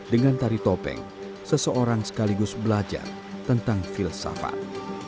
dengan tari topeng seseorang sekaligus belajar tentang filsafat